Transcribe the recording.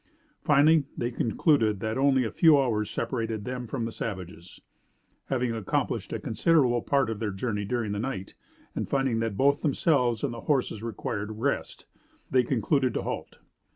Finally, they concluded that only a few hours separated them from the savages. Having accomplished a considerable part of their journey during the night, and finding that both themselves and their horses required rest, they concluded to halt.